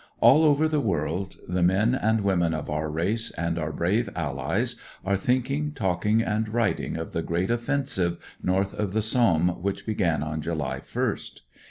AU over the world the men and women of our race and our brave Allies are thinkmg, talking, and writing of the great offensive north of the Somme which began on July 1st.